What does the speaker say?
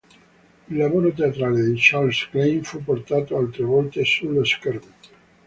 Il lavoro teatrale di Charles Klein fu portato altre volte sullo schermo.